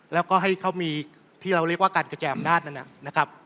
แล้วก็ให้เขามีที่เราเรียกว่าการกระแจมนาฏนะครับ